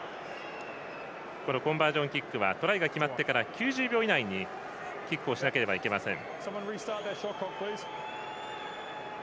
コンバージョンキックはトライが決まってから９０秒以内にキックをしなければいけません。